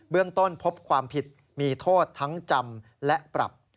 เรื่องต้นพบความผิดมีโทษทั้งจำและปรับ